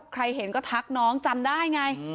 ใครเห็นก็ทักน้องจำได้ไง